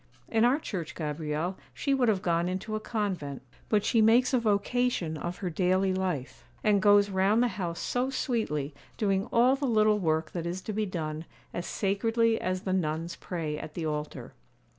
In our Church, Gabrielle, she would have gone into a convent; but she makes a vocation of her daily life, and goes round the house so sweetly, doing all the little work that is to be done, as sacredly as the nuns pray at the altar.